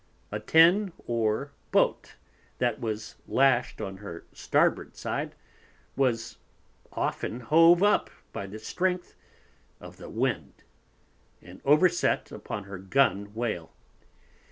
A Ten Oar Boat, that was lashed on her Starboard side, was often hove up by the Strength of the Wind, and over set upon her Gun Wale.